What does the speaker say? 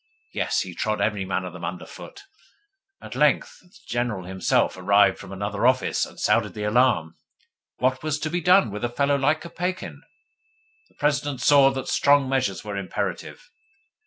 Yes, he trod every man of them under foot. At length the General himself arrived from another office, and sounded the alarm. What was to be done with a fellow like Kopeikin? The President saw that strong measures were imperative.